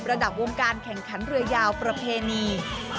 ระดับวงการแข่งขันเรือยาวประเพณี